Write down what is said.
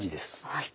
はい。